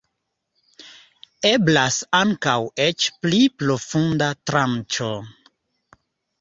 Eblas ankaŭ eĉ pli profunda tranĉo.